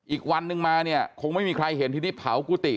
อีกวันนึงมาเนี่ยคงไม่มีใครเห็นทีนี้เผากุฏิ